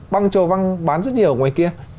băng trầu văn bán rất nhiều ngoài kia